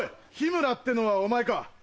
緋村ってのはお前か？